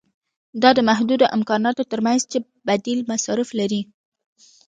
دا د محدودو امکاناتو ترمنځ چې بدیل مصارف لري.